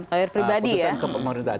keputusan ke pemerintahan